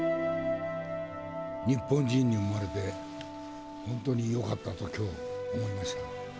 日本人に生まれて、本当によかったときょう、思いました。